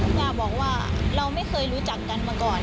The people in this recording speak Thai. ย่าบอกว่าเราไม่เคยรู้จักกันมาก่อน